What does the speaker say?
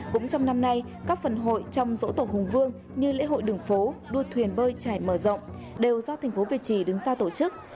cũng trong năm nay các phần hội trong dỗ tổ hùng vương như lễ hội đường phố đua thuyền bơi trải mở rộng đều do thành phố việt trì đứng ra tổ chức